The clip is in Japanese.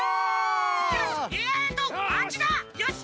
えっとあっちだ！よし！